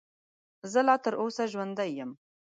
زه لا تر اوسه ژوندی یم .